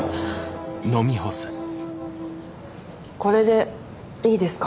これでいいですか？